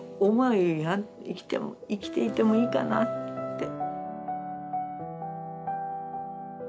生きても生きていてもいいかなって。